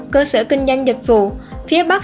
cơ sở kinh doanh dịch vụ phía bắc